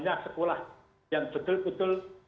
inilah sekolah yang betul betul